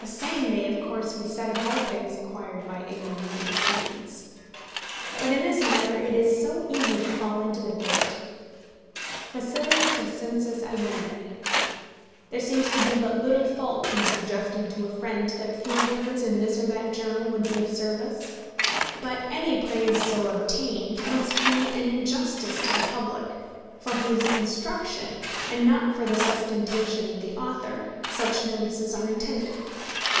The same may of course be said of all things acquired by ignominious means. But in this matter it is so easy to fall into the dirt. Facilis descensus Averni. There seems to be but little fault in suggesting to a friend that a few words in this or that journal would be of service. But any praise so obtained must be an injustice to the public, for whose instruction, and not for the sustentation of the author, such notices are intended.